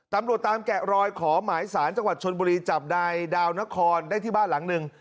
ตำรวจตามแกะรอยขอหมายสารจังหวัดชนบุรีจับนายดาวนครได้ที่บ้านหลังหนึ่ง